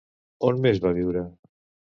On més va viure?